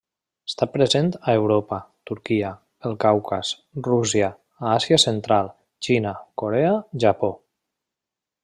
Està present a Europa, Turquia, el Caucas, Rússia a Àsia Central, Xina, Corea, Japó.